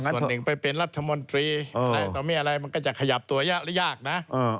ส่วนหนึ่งไปเป็นรัฐมนตรีต้องมีอะไรมันก็จะขยับตัวยากนะ